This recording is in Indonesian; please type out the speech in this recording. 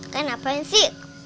kan apain sih